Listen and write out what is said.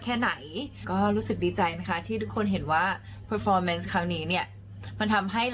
แล้วก็ภูมิใจค่ะที่ได้เป็นตัวแทนประเทศไทยไป